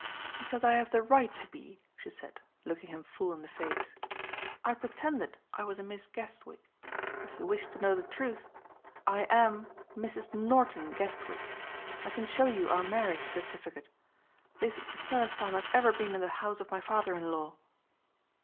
"Because I have the right to be," she said, looking him full in the face. "I pretended I was a Miss Guestwick. If you wish to know the truth, I am Mrs. Norton Guestwick. I can show you our marriage certificate. This is the first time I have ever been in the house of my father in law."